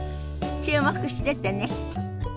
注目しててね。